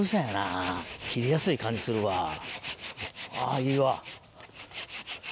あぁいいわ。